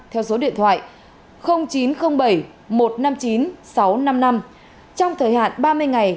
theo số điện thoại chín trăm linh bảy một trăm năm mươi chín sáu trăm năm mươi năm trong thời hạn ba mươi ngày